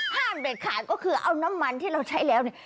เด็ดขาดก็คือเอาน้ำมันที่เราใช้แล้วเนี่ย